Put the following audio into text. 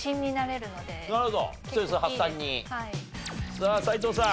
さあ斎藤さん。